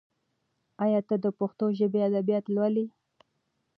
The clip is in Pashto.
ایا ته د پښتو ژبې ادبیات لولي؟